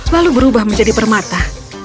lalu berubah menjadi permata